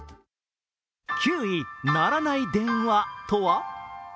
９位、鳴らない電話とは？